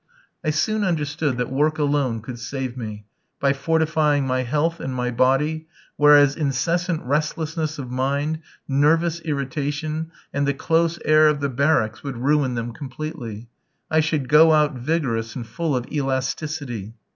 I soon understood that work alone could save me, by fortifying my health and my body, whereas incessant restlessness of mind, nervous irritation, and the close air of the barracks would ruin them completely. I should go out vigorous and full of elasticity.